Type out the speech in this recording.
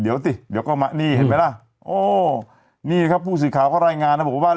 เดี๋ยวติเดี๋ยวก็มานี่เห็นไหมล่ะซดนี่ครับผู้สื่อข่าว